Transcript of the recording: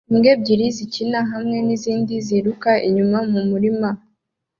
Imbwa ebyiri zikina hamwe nizindi ziruka inyuma mumurima